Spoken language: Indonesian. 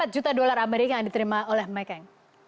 satu empat juta dolar amerika yang diterima oleh mckeng